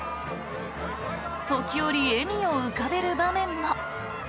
時折笑みを浮かべる場面も。